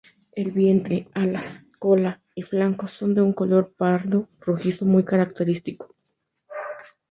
El vientre, alas, cola y flancos son de un color pardo rojizo muy característico.